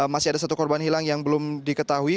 masih ada satu korban hilang yang belum diketahui